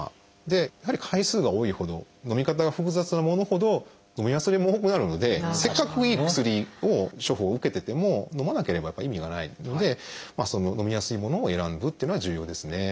やはり回数が多いほどのみ方が複雑なものほどのみ忘れも多くなるのでせっかくいい薬を処方を受けててものまなければ意味がないのでのみやすいものを選ぶっていうのは重要ですね。